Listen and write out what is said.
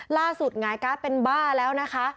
ล่าสุดหงายกาสเป็นบ้าแล้วนะคะ